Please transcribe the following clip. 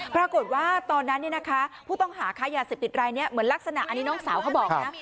ปรากฏว่าตอนนั้นผู้ต้องหาค้ายาเสพติดรายนี้เหมือนลักษณะอันนี้น้องสาวเขาบอกนะ